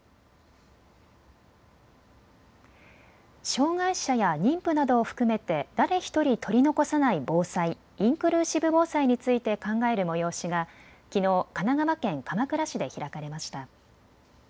障害者や妊婦などを含めて誰一人取り残さない防災、インクルーシブ防災について考える催しがきのう神奈川県鎌倉市で開かれました。